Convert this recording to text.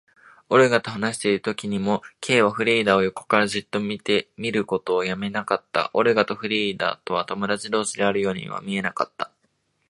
オルガと話しているときにも、Ｋ はフリーダを横からじっと見ることをやめなかった。オルガとフリーダとは友だち同士であるようには見えなかった。